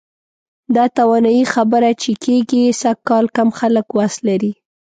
د توانایي خبره چې کېږي، سږکال کم خلک وس لري.